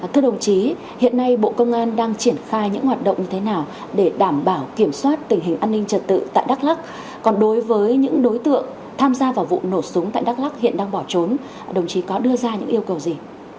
thưa đồng chí hiện nay bộ công an đang triển khai những hoạt động như thế nào để đảm bảo kiểm soát tình hình an ninh trật tự tại đắk lắc còn đối với những đối tượng tham gia vào vụ nổ súng tại đắk lắc hiện đang bỏ trốn đồng chí có đưa ra những yêu cầu gì